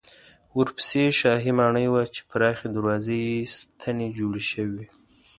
ورپسې شاهي ماڼۍ وه چې پراخې دروازې یې ستنې جوړې شوې وې.